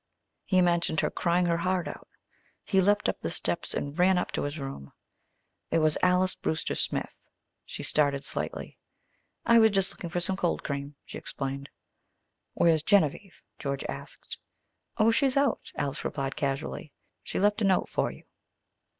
He imagined her crying her heart out. He leaped up the steps and ran up to his room. In it was Alys Brewster Smith. She started slightly. "I was just looking for some cold cream," she explained. "Where's Genevieve?" George asked. "Oh, she's out," Alys replied casually. "She left a note for you."